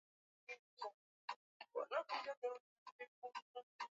dawa za kurefusha maisha haziwezi kutibu ukimwi